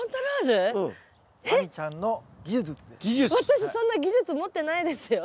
私そんな技術持ってないですよ。